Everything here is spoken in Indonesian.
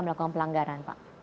melakukan pelanggaran pak